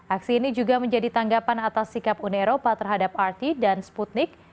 aksi ini juga menjadi tanggapan atas sikap uni eropa terhadap rt dan sputnik